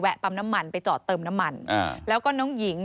ที่อาสาขับรถเทลเลอร์ไปส่งน้องหญิง